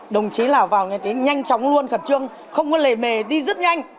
đồng chí nào vào như thế nhanh chóng luôn khẩn trương không có lề mề đi rất nhanh